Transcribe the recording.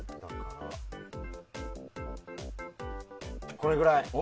これぐらい。